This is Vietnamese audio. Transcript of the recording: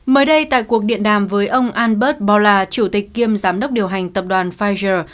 mới đây tại cuộc điện đàm với ông albert bola chủ tịch kiêm giám đốc điều hành tập đoàn pfizer